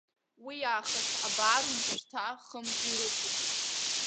Уиаахыс абар уажәшьҭа хымз ирықәуп!